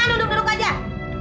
aku lapar pak